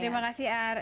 terima kasih aris